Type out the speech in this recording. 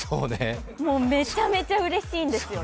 もうめちゃめちゃうれしいんですよね。